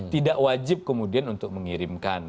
tidak wajib kemudian untuk mengirimkan